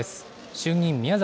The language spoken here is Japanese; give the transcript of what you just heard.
衆議院宮崎